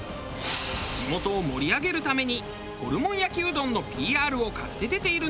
地元を盛り上げるためにホルモン焼きうどんのＰＲを買って出ているのです。